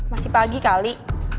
masih pagi kali